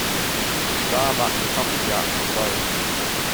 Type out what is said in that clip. The star marks the top of the Archer's bow.